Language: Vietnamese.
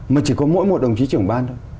mà chỉ có mỗi một đồng chí trưởng ban thôi